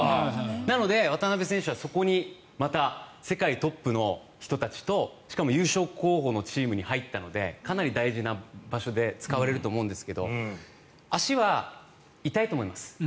なので、渡邊選手はそこにまた世界トップの人たちとしかも優勝候補のチームに入ったのでかなり大事な場所で使われると思うんですけど足は痛いと思います。